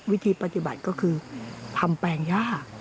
วิธีปฏิบัติก็คือทำแปลงย่า